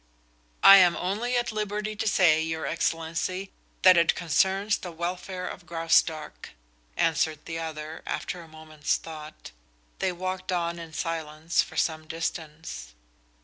"I am only at liberty to say, your excellency, that it concerns the welfare of Graustark," answered the other, after a moment's thought. They walked on in silence for some distance.